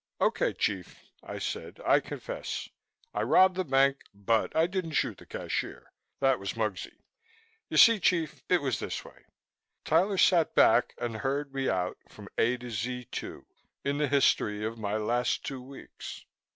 "Okay, chief," I said. "I confess. I robbed the bank but I didn't shoot the cashier. That was Muggsy. You see, chief, it was this way " Tyler sat back and heard me out from A to Z 2, in the history of my last two weeks.